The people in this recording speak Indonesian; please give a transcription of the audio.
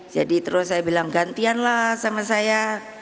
jadi terus saya bilang gantianlah sama saya